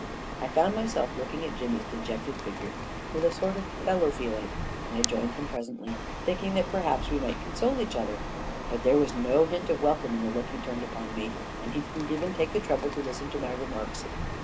I found my Self looking at Jimmy's dejected fig ure with a sort of fellow feeling, and I joined him presently, thinking that perhaps we might console each other; but there was no hint of welcome in the look he turned upon me, and he didn't even take the trouble to listen to my remarks.